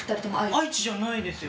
愛知じゃないですよ